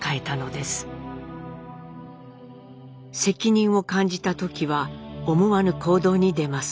責任を感じたトキは思わぬ行動に出ます。